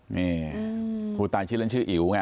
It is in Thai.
นี่ผู้ตายชื่อเล่นชื่ออิ๋วไง